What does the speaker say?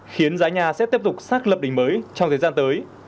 khiến giá nhà sẽ tiếp tục xác lập đỉnh mới trong thời gian tới